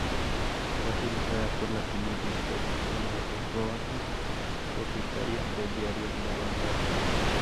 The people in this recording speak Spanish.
Era publicada por la familia del conde de Godó, propietaria del diario "La Vanguardia".